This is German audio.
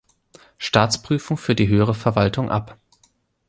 Staatsprüfung für die höhere Verwaltung ab.